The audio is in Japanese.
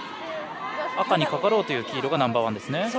赤にかかろうという黄色がナンバーワンですね。